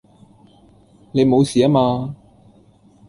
你冇事吖嘛?